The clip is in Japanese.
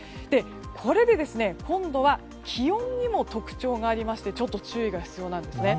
これで今度は気温にも特徴がありましてちょっと注意が必要なんですね。